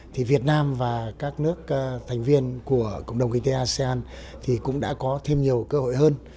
thì việt nam và các nước thành viên của cộng đồng kinh tế asean thì cũng đã có thêm nhiều cơ hội hơn